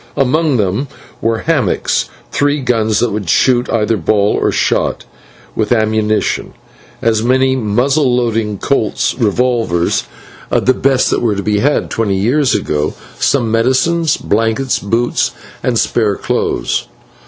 Among them were hammocks, three guns that would shoot either ball or shot, with ammunition, as many muzzle loading Colt's revolvers, the best that were to be had twenty years ago, some medicines, blankets, boots, and spare clothes.